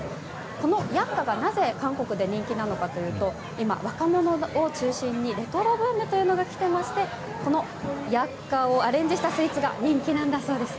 このヤックァがなぜ韓国で人気なのかというと今、若者を中心にレトロブームというのが来てましてヤックァをアレンジしたスイーツが人気なんだそうです。